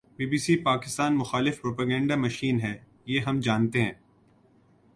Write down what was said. Be B C, Pakistan مخالف propaganda machine ہے۔ یہ ہم جانتے ہیں